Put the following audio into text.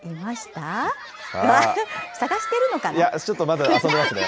いや、ちょっとまだ遊んでますね。